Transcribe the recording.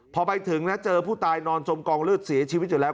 พอไปถึงนะเจอผู้ตายนอนจมกองเลือดเสียชีวิตอยู่แล้ว